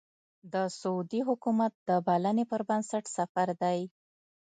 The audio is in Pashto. د سعودي حکومت د بلنې پر بنسټ سفر دی.